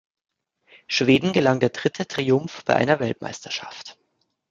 Schweden gelang der dritte Triumph bei einer Weltmeisterschaft.